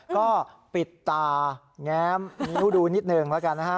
ก็ปิดตาแง้มนิ้วดูนิดหนึ่งแล้วกันนะฮะ